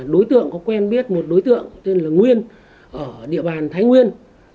đối tượng có quen biết một đối tượng tên là nguyên ở địa bàn thái nguyên